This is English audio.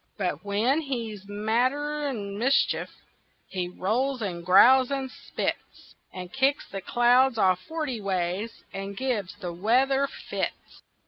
But when he's madder'n mischief, He rolls, and growls, and spits, And kicks the clouds all forty ways, And gives the weather fits.